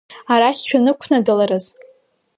Арахь шәанықәнагаларыз…